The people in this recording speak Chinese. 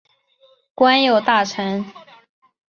官右大臣。